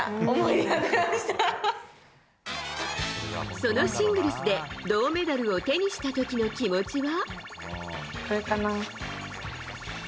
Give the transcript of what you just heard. そのシングルスで、銅メダルを手にした時の気持ちは？